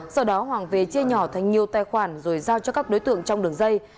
sau đó hoàng về chia nhỏ thành nhiều tài khoản rồi giao cho các đối tượng trong đường dây